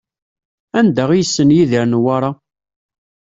Anda i yessen Yidir Newwara?